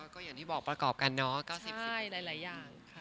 ก็อย่างที่บอกประกอบกันเนาะ๙๐หลายอย่างค่ะ